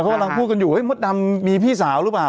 เขากำลังพูดกันอยู่เฮ้มดดำมีพี่สาวหรือเปล่า